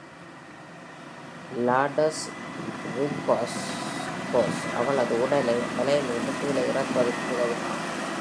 வ்லாடஸ் விட்கௌஸ்காஸ் அவளது உடலை மலையிலிருந்து கீழே இறக்குவதற்கு உதவினாள்.